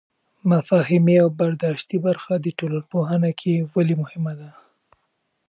مفاهیمي او برداشتي برخه د ټولنپوهنه کې ولې مهمه ده؟